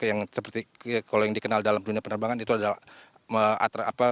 yang seperti kalau yang dikenal dalam dunia penerbangan itu adalah